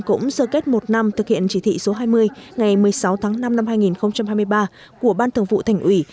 cũng sơ kết một năm thực hiện chỉ thị số hai mươi ngày một mươi sáu tháng năm năm hai nghìn hai mươi ba của ban thường vụ thành ủy